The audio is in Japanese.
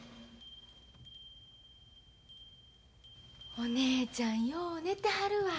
お姉ちゃんよう寝てはるわ。